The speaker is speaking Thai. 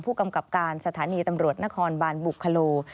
ผู้กำกับการสถานีตำรวจนครบานบุคโล